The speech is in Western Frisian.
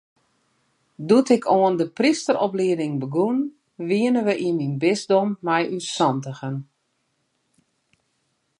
Doe't ik oan de prysteroplieding begûn, wiene we yn myn bisdom mei ús santigen.